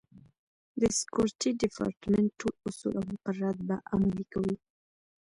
د سکورټي ډیپارټمنټ ټول اصول او مقررات به عملي کوي.